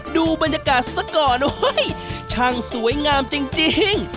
ดูบรรยากาศสักก่อนช่างสวยงามจริง